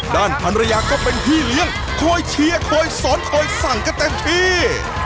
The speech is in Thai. ด้านพันรยาก็เป็นพี่เลี้ยงคอยเชียร์คอยสอนคอยสั่งกันเต็มที่